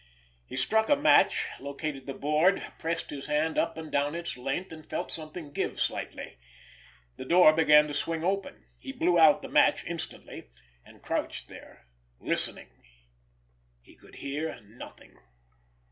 He struck a match, located the board, pressed his hand up and down its length, and felt something give slightly. The door began to swing open. He blew out the match instantly, and, crouched there, listened. He could hear nothing.